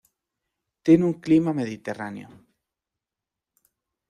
Tiene un Clima mediterráneo.